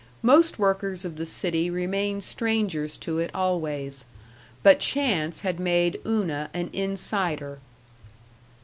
Most workers of the city remain strangers to it always. But chance had made Una an insider.